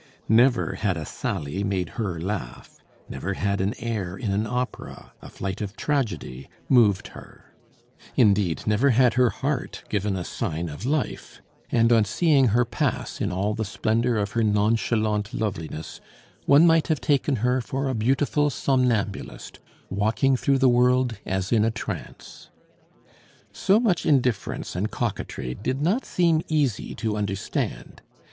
Never had a sally made her laugh; never had an air in an opera, a flight of tragedy, moved her; indeed, never had her heart given a sign of life; and, on seeing her pass in all the splendor of her nonchalant loveliness one might have taken her for a beautiful somnambulist, walking through the world as in a trance. So much indifference and coquetry did not seem easy to understand.